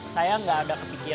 saya nggak ada ketentuan